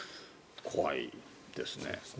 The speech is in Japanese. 怖いですね。